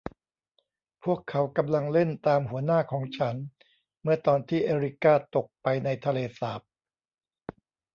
พวกเขากำลังเล่นตามหัวหน้าของฉัน เมื่อตอนที่เอริก้าตกไปในทะเลสาบ